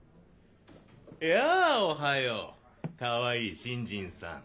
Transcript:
いやぁおはようかわいい新人さん。